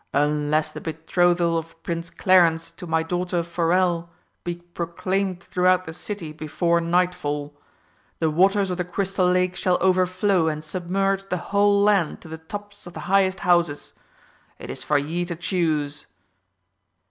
"Unless the betrothal of Prince Clarence to my daughter Forelle be proclaimed throughout the City before nightfall, the waters of the Crystal Lake shall overflow and submerge the whole land to the tops of the highest houses. It is for ye to choose."